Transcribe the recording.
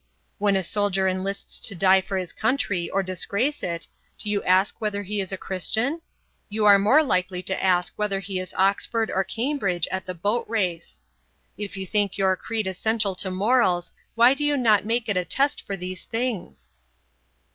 When a soldier enlists to die for his country or disgrace it, do you ask whether he is a Christian? You are more likely to ask whether he is Oxford or Cambridge at the boat race. If you think your creed essential to morals why do you not make it a test for these things?"